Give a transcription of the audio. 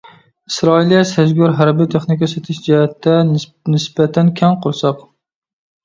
ئىسرائىلىيە سەزگۈر ھەربىي تېخنىكا سېتىش جەھەتتە نىسبەتەن كەڭ قورساق.